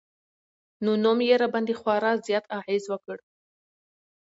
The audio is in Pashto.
نو نوم يې راباندې خوړا زيات اغېز وکړ